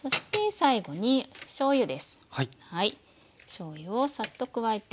しょうゆをサッと加えて。